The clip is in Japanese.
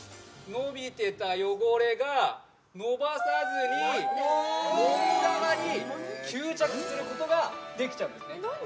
伸びてた汚れが伸ばさずにゴム側に吸着することができちゃうんですね